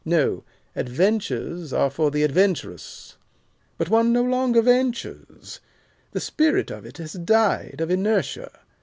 No, 'adventures are for the adventurous.' But one no longer ventures. The spirit of it has died of inertia.